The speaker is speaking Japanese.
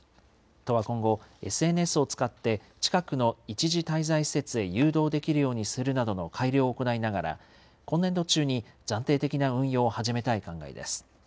都は今後、ＳＮＳを使って、近くの一時滞在施設へ誘導できるようにするなどの改良を行いながら、今年度中に暫定的な運用を始めたい考えです。